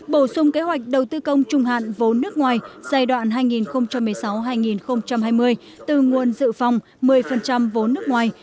bổ sung kế hoạch đầu tư công trung hạn vốn nước ngoài giai đoạn hai nghìn một mươi sáu hai nghìn hai mươi từ nguồn dự phòng một mươi vốn nước ngoài